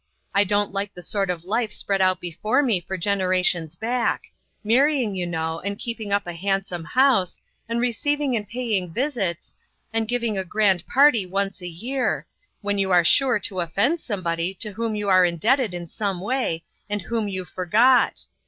I don't like the sort of life spread out before me for generations back ; marrying, you know, and keeping up a handsome house, and re ceiving and paying visits, and giving a grand A "FANATIC. 157 party once a year, when you are sure to offend somebody to whom you were indebted in some way, and whom you forgot.